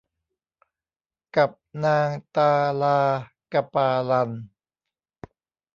กับนางตาลากะปาลัน